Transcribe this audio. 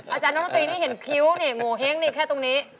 อาจารย์นักตีนี่เห็นคิ้วเนี่ยโหเฮ้งเนี่ยแค่ตรงนี้